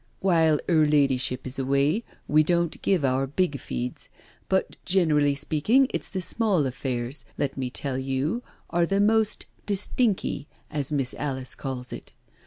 While 'er ladyship is away we don't give our big feeds. But generally speaking it's the small affairs, let me tell you, are the most ' distinky,' as Miss Alice calls it.